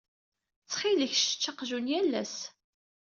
Ttxil-k ssečč aqjun yal ass.